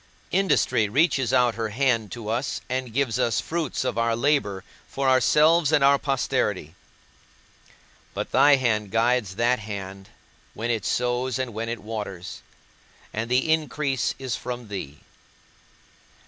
Industry reaches out her hand to us and gives us fruits of our labour for ourselves and our posterity; but thy hand guides that hand when it sows and when it waters, and the increase is from thee.